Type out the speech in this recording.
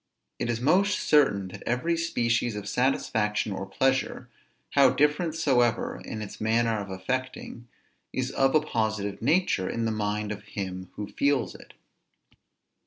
It is most certain, that every species of satisfaction or pleasure, how different soever in its manner of affecting, is of a positive nature in the mind of him who feels it.